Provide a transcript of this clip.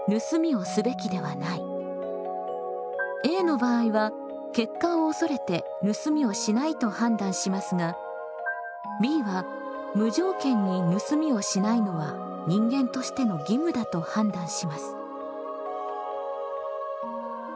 Ａの場合は結果を恐れて盗みをしないと判断しますがＢは無条件に盗みをしないのは人間としての義務だと判断します。